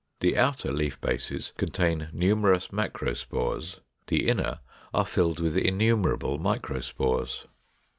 The outer leaf bases contain numerous macrospores; the inner are filled with innumerable microspores.